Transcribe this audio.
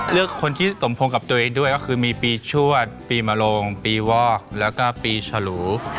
เลือกคนที่สมพงษ์กับตัวเองด้วยก็คือมีปีชวดปีมโลงปีวอกแล้วก็ปีฉลู